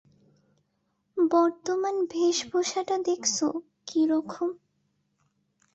বর্তমান বেশভূষাটা দেখছ কী রকম?